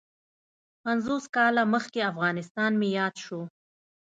پنځوس کاله مخکې افغانستان مې یاد شو.